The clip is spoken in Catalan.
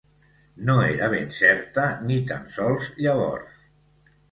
No era ben certa ni tan sols llavors